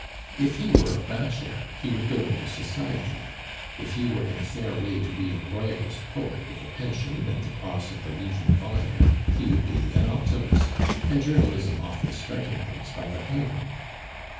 If he were a bachelor, he would go into society; if he were in a fair way to be a Royalist poet with a pension and the Cross of the Legion of Honor, he would be an optimist, and journalism offers starting points by the hundred.